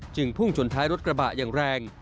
พุ่งชนท้ายรถกระบะอย่างแรง